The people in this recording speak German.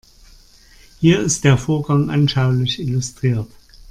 Hier ist der Vorgang anschaulich illustriert.